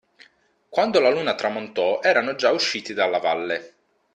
Quando la Luna tramontò erano già usciti dalla valle.